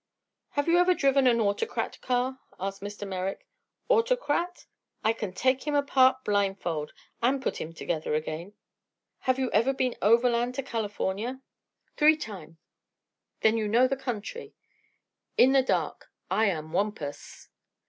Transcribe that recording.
"Have you ever driven an 'Autocrat' car?" asked Mr. Merrick. "'Autocrat?' I can take him apart blindfold, an' put him together again." "Have you ever been overland to California?" "Three time." "Then you know the country?" "In the dark. I am Wampus."